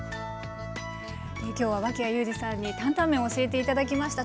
今日は脇屋友詞さんに担々麺を教えて頂きました。